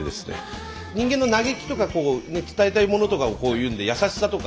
人間の嘆きとかこう伝えたいものとかを言うんで優しさとか。